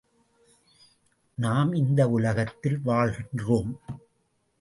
நாம் இந்த உலகத்தில் வாழ்கின்றோம்.